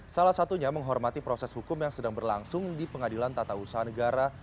salah satunya menghormati proses hukum yang sedang berlangsung di pengadilan tata usaha negara